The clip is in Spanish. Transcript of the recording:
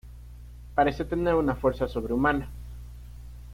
Parece tener una fuerza sobrehumana.